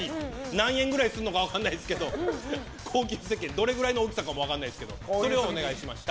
何円ぐらいするのかも高級せっけんどれくらいの大きさかも分からないですけどそれをお願いしました。